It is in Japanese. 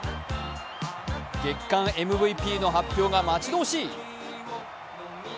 月間ＭＶＰの発表が待ち遠しい。